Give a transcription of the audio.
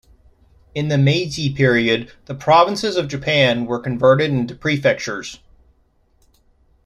In the Meiji period, the provinces of Japan were converted into prefectures.